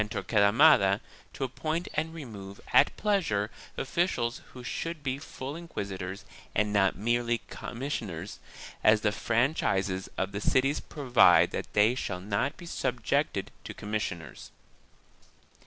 262 THE KINGDOMS OF ARAGON [Boo* I Isabella and Torquemada to appoint and remove at pleasure officials who should be full inquisitors and not merely commis sioners, as the franchises of the cities provide that they shall not be subjected to commissioners.